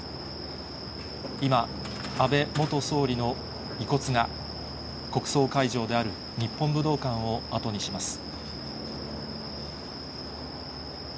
今、安倍元総理の遺骨が、国葬会場である日本武道館を後にします。